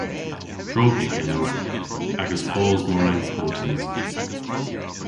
Drog yw genowgh agas bos mar ankortes.